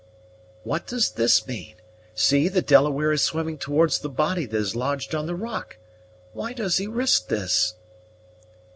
"What does this mean? See, the Delaware is swimming towards the body that is lodged on the rock? Why does he risk this?"